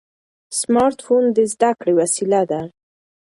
سمارټ فون د زده کړې وسیله ده.